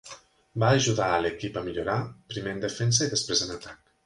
Va ajudar a l'equip a millorar, primer en defensa i després en atac.